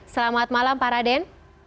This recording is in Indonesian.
selamat malam pak raden